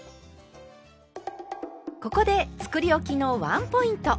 ここでつくりおきのワンポイント。